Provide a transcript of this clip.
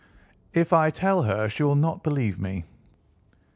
"If I tell her she will not believe me.